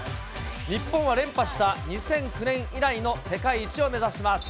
日本は連覇した２００９年以来の世界一を目指します。